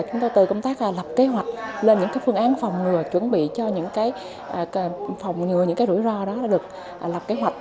chúng tôi từ công tác lập kế hoạch lên những phương án phòng ngừa chuẩn bị cho những phòng ngừa những rủi ro đó đã được lập kế hoạch